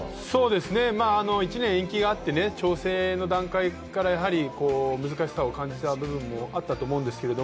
１年延期があって、調整の段階から難しさを感じた部分もあったと思います。